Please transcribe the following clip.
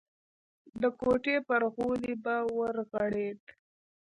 د کوټې پر غولي به ورغړېد.